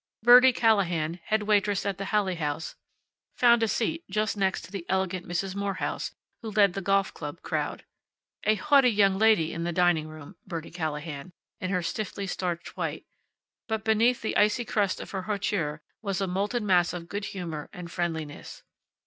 Birdie Callahan, head waitress at the Haley House, found a seat just next to the elegant Mrs. Morehouse, who led the Golf Club crowd. A haughty young lady in the dining room, Birdie Callahan, in her stiffly starched white, but beneath the icy crust of her hauteur was a molten mass of good humor and friendliness.